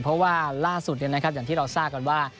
เพราะว่าล่าสุดอย่างที่เราทราบกันว่า